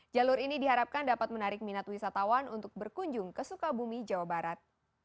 jalur ini diharapkan dapat menarik minat wisatawan untuk berkunjung ke sukabumi jawa barat